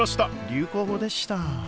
流行語でした。